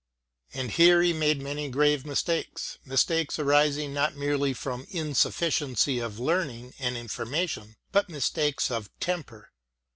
And here he made many grave mistakes, mistakes arising not merely from insufficiency of learning and information, but mistakes of temper.